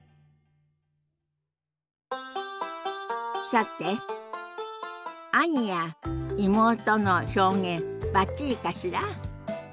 さて「兄」や「妹」の表現バッチリかしら？